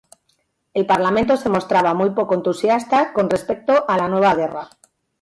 El Parlamento se mostraba muy poco entusiasta con respecto a la nueva guerra.